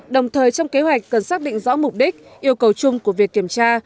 đồng thời trong kế hoạch cần xác định rõ mục đích yêu cầu chung của việc kiểm tra